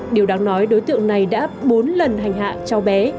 điều đáng nói đối tượng này đã bốn lần hành hạ cháu bé